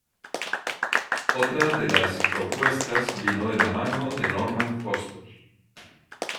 Otra de las propuestas vino de la mano de Norman Foster.